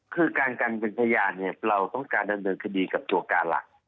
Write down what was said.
คือการกันเป็นพยานเนี่ยเราต้องการดำเนินคดีกับตัวการหลัก